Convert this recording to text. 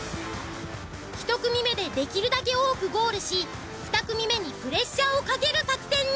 １組目でできるだけ多くゴールし２組目にプレッシャーをかける作戦に。